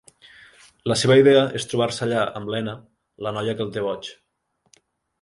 La seva idea és trobar-se allà amb Lena, la noia que el té boig.